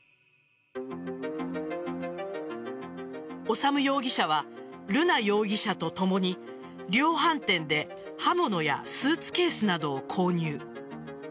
修容疑者は瑠奈容疑者と共に量販店で刃物やスーツケースなどを購入。